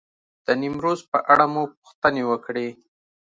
د نیمروز په اړه مو پوښتنې وکړې.